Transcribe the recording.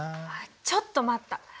ちょっと待った！